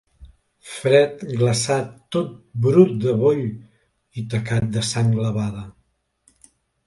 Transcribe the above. Fred, glaçat, tot brut de boll i tacat de sang glevada…